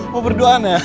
mau berduaan ya